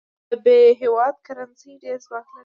د ب هیواد کرنسي ډېر ځواک لري.